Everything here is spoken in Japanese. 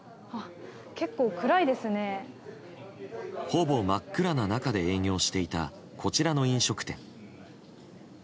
ほぼ真っ暗な中で営業していたこちらの飲食店。